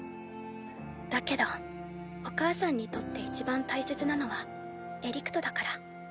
だけどお母さんにとっていちばん大切なのはエリクトだから。